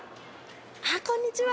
こんにちは！